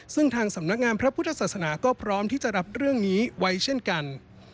ซึ่งทางสำนักงานพระพุทธศาสนาก็พร้อมที่จะรับเรื่องนี้ไว้เช่นกัน